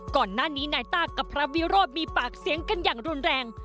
ก่อนหน้านี้นายต้ากับพระวิโรธมีปากเสียงกันอย่างรุนแรง